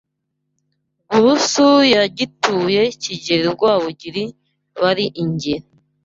NGURUSU yagituye Kigeli Rwabugiri bari i Ngeli